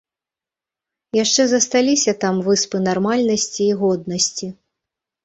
Яшчэ засталіся там выспы нармальнасці і годнасці.